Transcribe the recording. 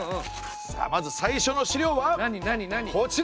さあまず最初の資料はこちらです！